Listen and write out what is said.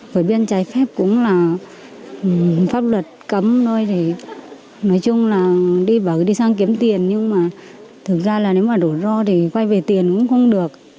rồi biên trái phép cũng là pháp luật cấm thôi thì nói chung là đi vào cứ đi sang kiếm tiền nhưng mà thực ra là nếu mà đổ ro thì quay về tiền cũng không được